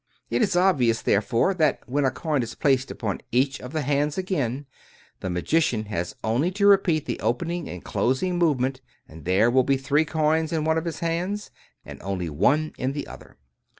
It is obvious, therefore, that, when a coin is placed upon each of the hands again, the magician has only to repeat the opening and closing move ment, and there will be three coins in one of the hands, and only one in the other.